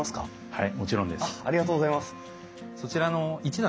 はい。